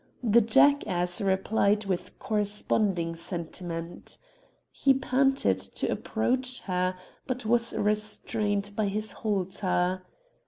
The jackass replied with corresponding sentiment. He panted to approach her, but was restrained by his halter.